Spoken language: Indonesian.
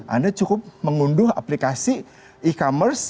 anda cukup mengunduh aplikasi e commerce